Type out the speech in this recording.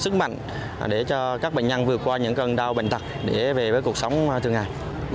chúng tôi đang có một sức mạnh để cho các bệnh nhân vượt qua những cơn đau bệnh tật để về với cuộc sống thường ngày